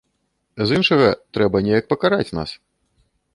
З іншага, трэба неяк пакараць нас.